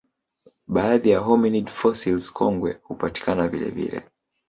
Baadhi ya hominid fossils kongwe hupatikana vilevile